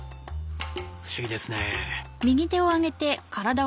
不思議ですねぇあ